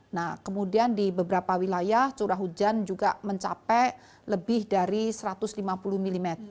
nah kemudian di beberapa wilayah curah hujan juga mencapai lebih dari satu ratus lima puluh mm